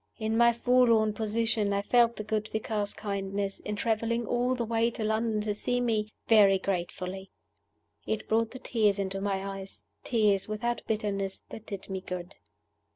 In my forlorn position, I felt the good vicar's kindness, in traveling all the way to London to see me, very gratefully. It brought the tears into my eyes tears, without bitterness, that did me good.